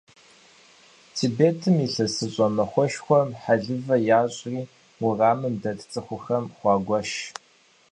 Тибетым ИлъэсыщӀэ махуэшхуэм хьэлывэ ящӀри, уэрамым дэт цӀыхухэм хуагуэш.